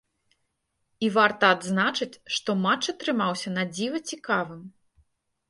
І варта адзначыць, што матч атрымаўся надзіва цікавым.